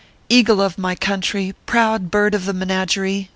Eagle of my country, proud bird of the menagerie